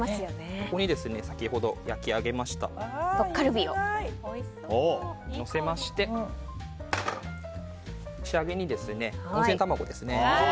ここに先ほど焼き上げたトッカルビをのせまして仕上げに、温泉卵です。